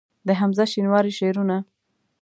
د حمزه شینواري شعرونه